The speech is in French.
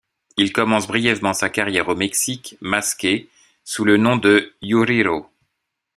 Il commence brièvement sa carrière au Mexique masqué sous le nom de Yujiro.